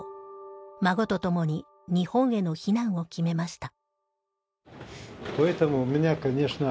孫とともに日本への避難を決めました。